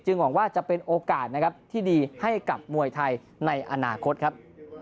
หวังว่าจะเป็นโอกาสนะครับที่ดีให้กับมวยไทยในอนาคตครับ